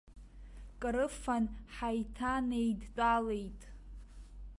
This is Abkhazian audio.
Крыфан ҳаиҭанеидтәалеит.